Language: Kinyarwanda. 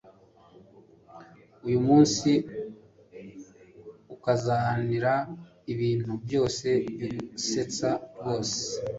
Uyu munsi ukazanira ibintu byose bigusetsa rwose